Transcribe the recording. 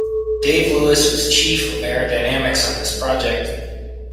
Dave Lewis was Chief of Aerodynamics on this project.